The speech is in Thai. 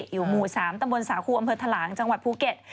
อยู่หมู่๓ตำบลสาครูอำเภอทะลางจังหวัดภูเก็ต